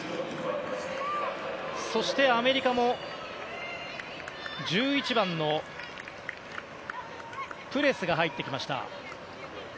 そしてアメリカも１１番のプレスが入ってきました。